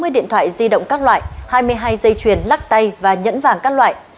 hai mươi điện thoại di động các loại hai mươi hai dây chuyền lắc tay và nhẫn vàng các loại